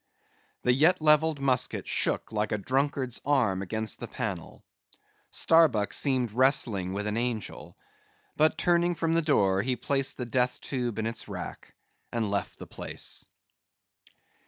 The yet levelled musket shook like a drunkard's arm against the panel; Starbuck seemed wrestling with an angel; but turning from the door, he placed the death tube in its rack, and left the place.